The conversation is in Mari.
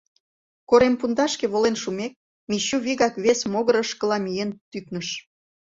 Корем пундашке волен шумек, Мичу вигак вес могырышкыла миен тӱкныш.